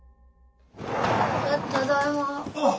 ただいま。